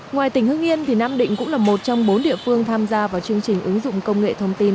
ngoài tỉnh hưng yên thì nam định cũng là một trong bốn địa phương tham gia vào chương trình ứng dụng công nghệ thông tin